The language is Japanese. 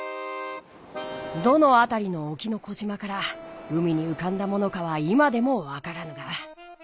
どのあたりのおきの小島から海にうかんだものかは今でもわからぬが。